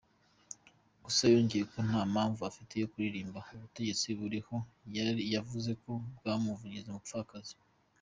Gusa yongeyeho ko nta mpamvu afite yo kuririmba ubutegetsi buriho yavuze ko bwamugize umupfakazi.